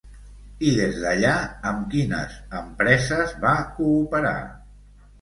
I des d'allà amb quines empreses va cooperar?